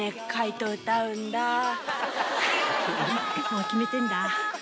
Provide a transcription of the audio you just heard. もう決めてんだ。